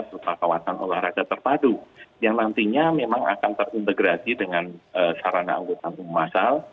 perpapawasan olahraga terpadu yang nantinya memang akan terintegrasi dengan sarana angkutan umum asal